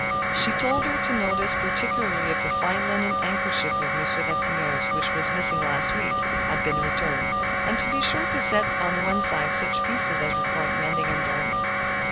She told her to notice particularly if a fine linen handkerchief of Monsieur Ratignolle's, which was missing last week, had been returned; and to be sure to set to one side such pieces as required mending and darning.